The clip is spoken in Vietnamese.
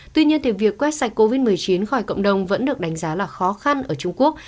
tuy nhiên việc quét sạch covid một mươi chín khỏi cộng đồng vẫn được đánh giá là khó khăn ở trung quốc